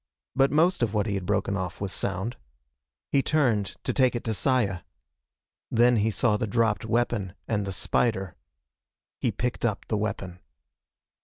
But most of what he had broken off was sound. He turned to take it to Saya. Then he saw the dropped weapon and the spider. He picked up the weapon.